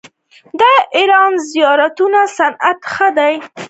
د ایران د زیوراتو صنعت ښه دی.